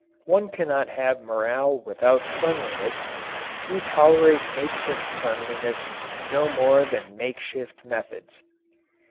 One cannot have morale without cleanliness. We tolerate makeshift cleanliness no more than makeshift methods.